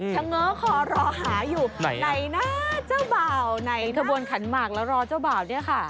เง้อคอรอหาอยู่ไหนนะเจ้าบ่าวในขบวนขันหมากแล้วรอเจ้าบ่าวเนี่ยค่ะ